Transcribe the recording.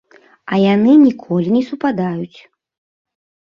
А яны ніколі не супадаюць!